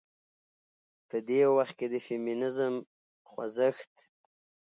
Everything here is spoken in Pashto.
په دې وخت کې د فيمينزم خوځښت